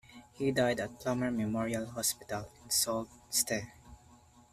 He died at Plummer Memorial Hospital in Sault Ste.